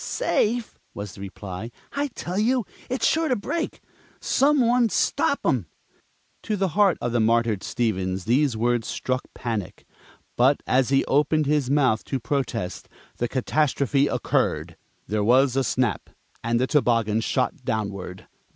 "Safe!" was the reply. "I tell you, it's sure to break! Some one stop 'em " To the heart of the martyred Stevens these words struck panic. But as he opened his mouth to protest, the catastrophe occurred. There was a snap, and the toboggan shot downward.